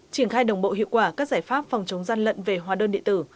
triển khai đồng bộ hiệu quả các giải pháp phòng chống gian lận về hóa đơn điện tử